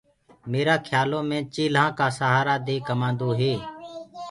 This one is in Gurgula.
ميرآ کيآلو مي چيلآن ڪآ سهآرآ دي ڪمآندوئي